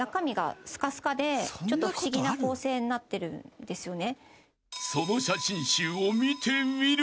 ちょっと不思議な構成になってるんですよね。